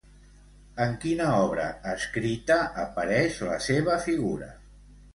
En quina obra escrita apareix la seva figura?